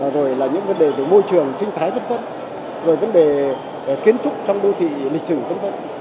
rồi là những vấn đề về môi trường sinh thái vấn vấn rồi vấn đề kiến trúc trong đô thị lịch sử vấn vấn